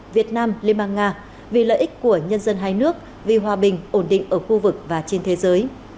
việt nam liên bang nga vì lợi ích của nhân dân hai nước vì hòa bình ổn định ở khu vực và trên thế giới